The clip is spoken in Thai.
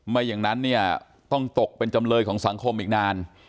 ไม่อย่างนั้นเนี่ยต้องตกเป็นจำเลยของสังคมอีกนาน